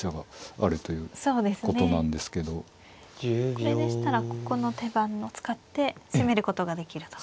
これでしたらここの手番を使って攻めることができると。